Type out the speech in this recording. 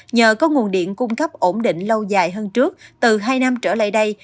nhờ có nguồn điện cung cấp ổn định lâu dài hơn trước từ hai năm trở lại đây